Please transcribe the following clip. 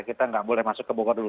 kita nggak boleh masuk ke bogor dulu